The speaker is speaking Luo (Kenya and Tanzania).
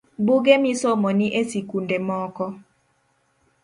Buge misomo ni e sikunde moko